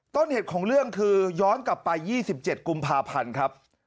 ต้นเหตุของเรื่องคือย้อนกลับไป๒๗กุมภาพันธ์ครับ